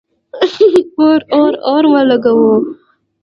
اور، اور، اور ولګوو